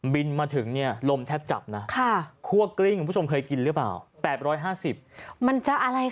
บินมาถึงลมแทบจับนะคั่วกลิ้งคุณผู้ชมเคยกินหรือเปล่า